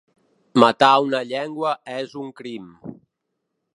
Matar una llengua és un crim.